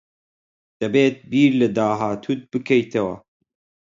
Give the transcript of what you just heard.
دەبێت بیر لە داهاتووت بکەیتەوە.